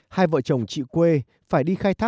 hai vợ chồng chị quê phải đi khai thác